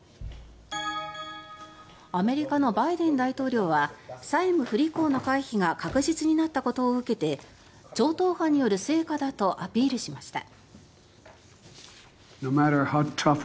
アメリカのバイデン大統領は債務不履行の回避が確実になったことを受けて超党派による成果だとアピールしました。